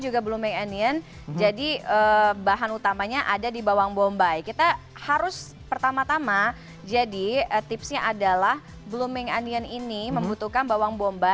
juga blooming onion jadi bahan utamanya ada di bawang bombay kita harus pertama tama jadi tipsnya